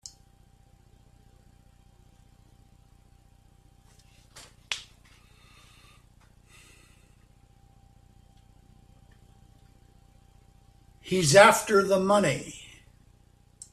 He's after the money.